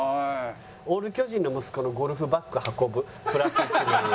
「オール巨人の息子のゴルフバッグ運ぶプラス１万円」。